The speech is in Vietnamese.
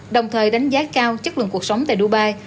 đồng thời đánh giá cao chất lượng cuộc sống tại dubai